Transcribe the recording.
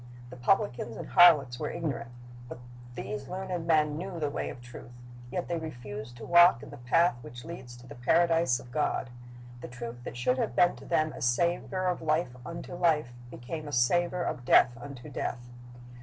The pub licans and harlots were ignorant, but these learned men knew the way of truth. Yet they refused to walk in the path which leads to the Paradise of God. The truth that should have been to them a savor of life unto life became a savor of death unto death.